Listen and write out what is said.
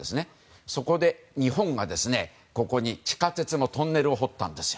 そこで日本がここに地下鉄のトンネルを掘ったんです。